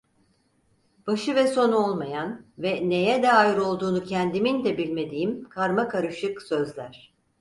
Başı ve sonu olmayan ve neye dair olduğunu kendimin de bilmediğim karmakarışık sözler.